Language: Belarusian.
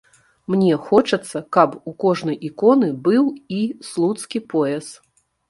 Мне хочацца, каб у кожнай іконы быў і слуцкі пояс.